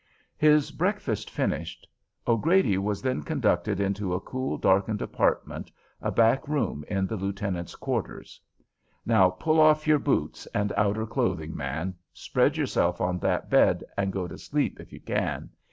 His breakfast finished, O'Grady was then conducted into a cool, darkened apartment, a back room in the lieutenant's quarters. "Now, pull off your boots and outer clothing, man, spread yourself on that bed, and go to sleep, if you can.